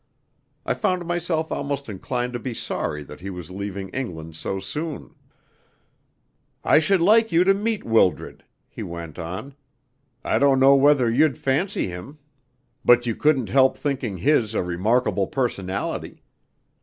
I found myself almost inclined to be sorry that he was leaving England so soon. "I should like you to meet Wildred," he went on. "I don't know whether you'd fancy him, but you couldn't help thinking his a remarkable personality.